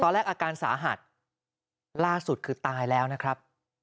อาการสาหัสล่าสุดคือตายแล้วนะครับ